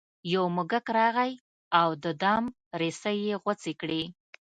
یو موږک راغی او د دام رسۍ یې غوڅې کړې.